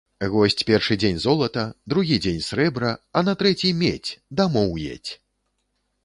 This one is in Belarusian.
Госць першы дзень ‒ золата, другі дзень ‒ срэбра, а на трэці ‒ медзь, дамоў едзь!